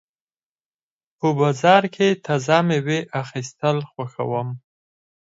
په بازار کې تازه مېوې اخیستل خوښوم.